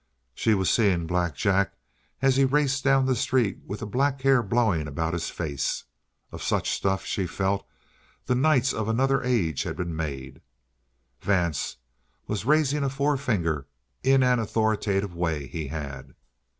She was seeing Black Jack, as he had raced down the street with the black hair blowing about his face. Of such stuff, she felt, the knights of another age had been made. Vance was raising a forefinger in an authoritative way he had.